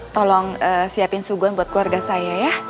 tolong siapin suguhan buat keluarga saya ya